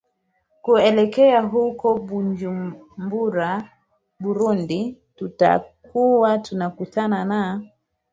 kuelekea huko bujumbura burundi tutakua tunakutana na